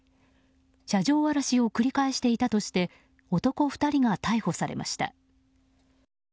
車上荒らしを繰り返していたとして男２人が逮捕されました。